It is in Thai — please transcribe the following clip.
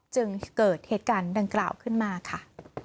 จึงเกิดเหตุการณ์ดังกล่าวขึ้นมาค่ะ